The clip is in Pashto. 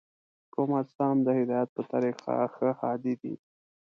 کوم اجسام د هدایت په طریقه ښه هادي دي؟